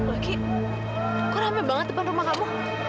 lagi kok rame banget depan rumah kamu